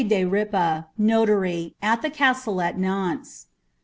de Ripe, notary, at the castle at Nantes.